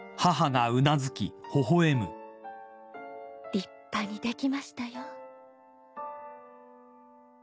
立派にできましたよ